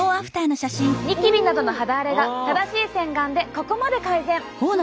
ニキビなどの肌荒れが正しい洗顔でここまで改善！